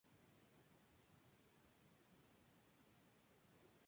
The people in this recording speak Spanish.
Su hábitat natural son los bosques tropicales o subtropicales secos y a baja altitud.